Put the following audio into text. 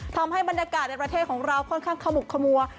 ทำให้บรรยากาศในประเทศของเราค่อนข้างขมุกขมัว